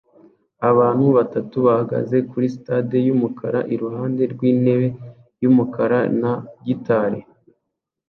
Abantu batatu bahagaze kuri stade yumukara iruhande rwintebe yumukara na gitari